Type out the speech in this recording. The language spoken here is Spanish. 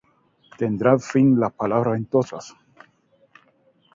¿Tendrán fin las palabras ventosas?